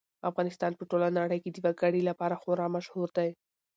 افغانستان په ټوله نړۍ کې د وګړي لپاره خورا مشهور دی.